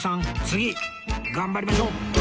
次頑張りましょう！